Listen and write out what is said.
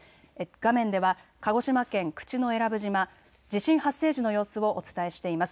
画面では鹿児島県口永良部島、地震発生時の様子をお伝えしています。